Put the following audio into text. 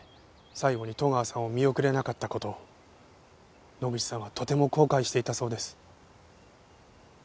最後に戸川さんを見送れなかった事野口さんはとても後悔していたそうです。